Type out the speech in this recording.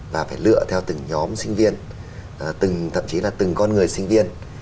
và phải lựa theo từng nhóm sinh viên thậm chí là từng con người sinh viên